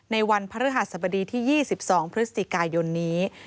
ในวันพฤหัสบดีที่๒๒พฤศจิกายนนี้